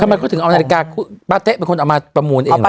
ทำไมเขาถึงเอานาฬิกาป้าเต๊ะเป็นคนเอามาประมูลเองล่ะ